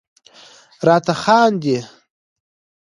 راته خاندي..